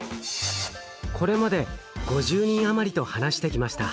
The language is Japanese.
これまで５０人余りと話してきました。